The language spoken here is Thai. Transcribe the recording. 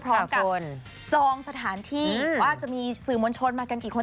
พร้อมกับจองสถานที่ว่าจะมีสื่อมนต์ชนมากันกี่คน